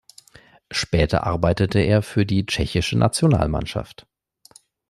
Später arbeitete er für die Tschechische Nationalmannschaft.